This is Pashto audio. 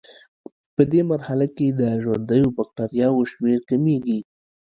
پدې مرحله کې د ژوندیو بکټریاوو شمېر کمیږي.